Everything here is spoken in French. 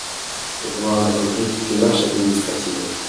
voir la rubrique démarches administratives.